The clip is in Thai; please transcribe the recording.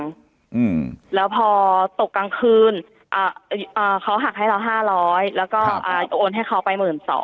หืมแล้วพอตกกลางคืนเขาหักให้เรา๕๐๐แล้วก็โอนให้เขาไป๑๒๐๐๐